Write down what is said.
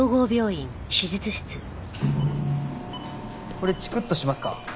これチクッとしますか？